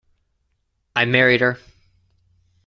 I married her.